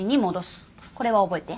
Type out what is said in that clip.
これは覚えて。